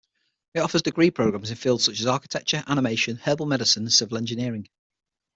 It offers degree programs in fields such architecture, animation, herbal medicine, and civil engineering.